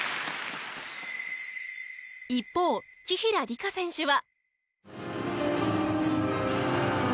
一方紀平梨花選手は。